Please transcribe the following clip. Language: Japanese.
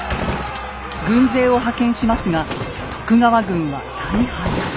軍勢を派遣しますが徳川軍は大敗。